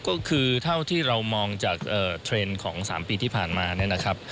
ก็คือเท่าที่เรามองจากเทรนด์ของ๓ปีที่ผ่านมา